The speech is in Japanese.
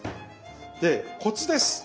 でコツです。